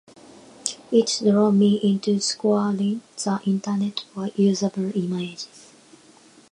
It drove me into scouring the internet for usable images.